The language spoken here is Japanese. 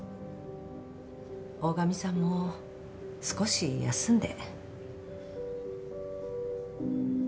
大神さんも少し休んで。